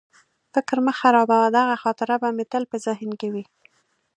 فکر مه خرابوه، دغه خاطره به مې تل په ذهن کې وي.